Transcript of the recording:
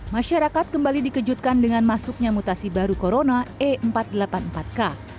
masyarakat kembali dikejutkan dengan masuknya mutasi baru corona e empat ratus delapan puluh empat k